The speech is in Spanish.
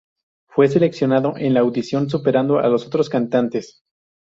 Fue seleccionado en la audición superando a los otros cantantes.